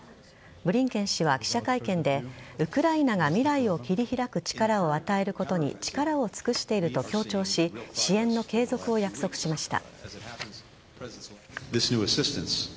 ブリンケン氏は記者会見でウクライナが未来を切り開く力を与えることに力を尽くしていると強調し支援の継続を約束しました。